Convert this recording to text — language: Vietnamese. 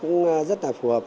cũng rất là phù hợp